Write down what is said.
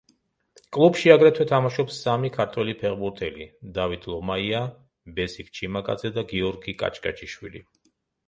კლუბში აგრეთვე თამაშობს სამი ქართველი ფეხბურთელი: დავით ლომაია, ბესიკ ჩიმაკაძე და გიორგი კაჭკაჭიშვილი.